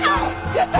やった！